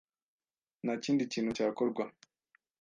Nta kindi kintu cyakorwa.